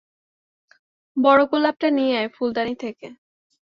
বড়ো গোলাপটা নিয়ে আয় ফুলদানি থেকে।